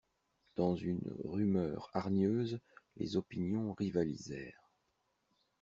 Dans une rumeur hargneuse, les opinions rivalisèrent.